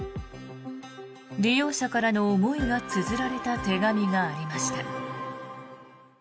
利用者からの思いがつづられた手紙がありました。